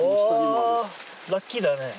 あラッキーだね。